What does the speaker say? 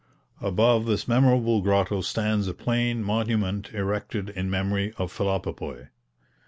Above this memorable grotto stands a plain monument erected in memory of Philopapoe.